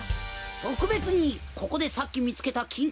とくべつにここでさっきみつけたきん